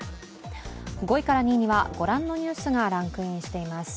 ５位から２位にはご覧のニュースがランクインしています。